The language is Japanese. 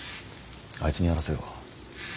あいつにやらせよう。